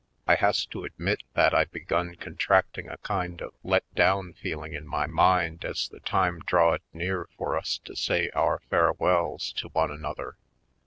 I has to admit that I begun contracting a kind of a let down feeling in my mind as the time drawed near for us to say our farewells to one another.